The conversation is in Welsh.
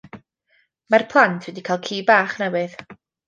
Mae'r plant wedi cael ci bach newydd.